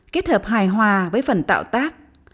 kết hợp hài hòa với phần tạo tác